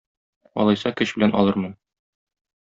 Алайса, көч белән алырмын.